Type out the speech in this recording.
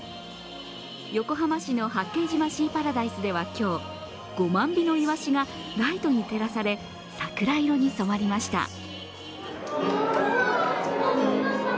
横浜市の八景島シーパラダイスでは今日５万尾のいわしがライトに照らされ桜色に染まりました。